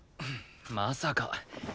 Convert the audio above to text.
まさか。